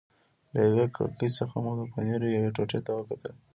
له یوې کړکۍ څخه مو د پنیرو یوې ټوټې ته وکتل.